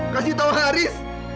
kasih tau haris